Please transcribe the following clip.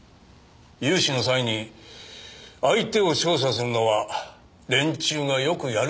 融資の際に相手を調査するのは連中がよくやる事ですから。